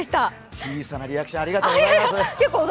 小さなリアクションありがとうございます。